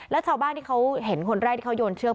แล้วชาวบ้านที่เขาเห็นคนแรกที่เขาโยนเชือก